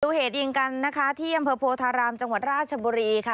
เหตุยิงกันนะคะที่อำเภอโพธารามจังหวัดราชบุรีค่ะ